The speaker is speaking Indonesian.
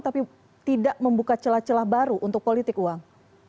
tapi tidak membuka celah celah baru untuk politik uang